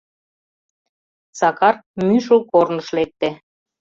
Сакар Мӱшыл корныш лекте.